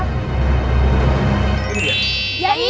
nah ini memang tuhan